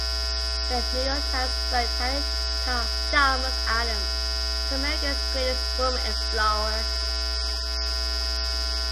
The New York Times wrote Harriet Chalmers Adams is America's greatest woman explorer.